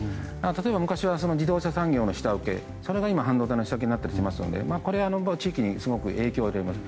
例えば昔は自動車産業の下請けそれが今、半導体の下請けになったりしていますのでこれは地域にすごく影響が出ます。